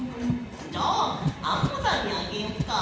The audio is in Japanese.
じゃあアンモさんにあげよっか。